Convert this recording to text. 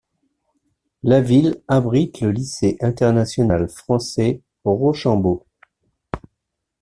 La ville abrite le lycée international français Rochambeau.